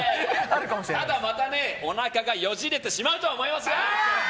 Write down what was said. ただ、またおなかがよじれてしまうとは思いますよ。